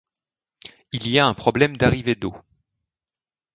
il y a un problème d'arriver d'eau